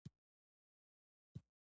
اوښ د افغانستان د طبیعت یوه لویه برخه ده.